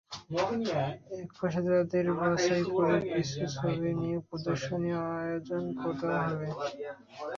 একপাশে তাঁদের বাছাই করা কিছু ছবি নিয়ে প্রদর্শনীর আয়োজন করা হয়।